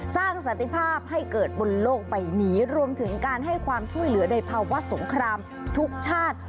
สันติภาพให้เกิดบนโลกใบนี้รวมถึงการให้ความช่วยเหลือในภาวะสงครามทุกชาติ